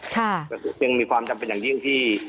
ซึ่งมีความจำเป็นอย่างยิ่งที่